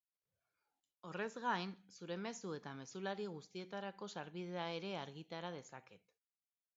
Horrez gain, zure mezu eta mezulari guztietarako sarbidea ere argitara dezaket.